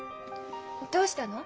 どうしたの？